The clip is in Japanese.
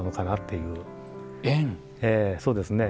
ええそうですね。